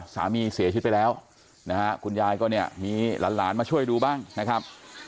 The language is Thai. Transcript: เสียชีวิตไปแล้วนะฮะคุณยายก็เนี่ยมีหลานมาช่วยดูบ้างนะครับ